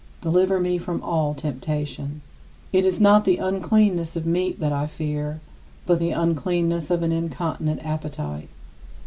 Deliver me from all temptation! It is not the uncleanness of meat that I fear, but the uncleanness of an incontinent appetite.